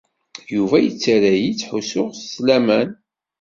Yuba yettarra-yi ttḥussuɣ s laman.